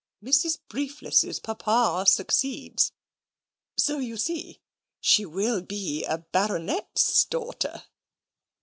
Mrs. Briefless's papa succeeds; so you see she will be a baronet's daughter."